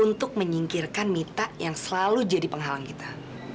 untuk menyingkirkan minta yang selalu jadi penghalang kita